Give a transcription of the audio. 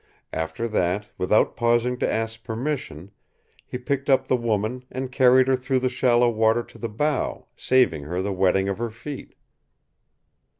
After that, without pausing to ask permission, he picked up the woman and carried her through the shallow water to the bow, saving her the wetting of her feet.